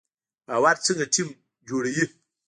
باور څنګه ټیم جوړوي؟